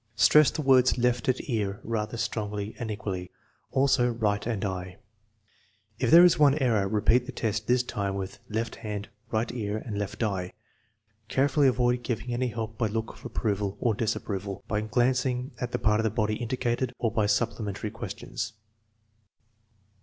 Stress the words left and ear rather strongly and equally; also right and eye. If there is one error, repeat the test, this time with left hand, right ear, and left eye. Carefully avoid giving any help by look of approval or disapproval, by glancing at the part of the body indicated, or by supplementary questions.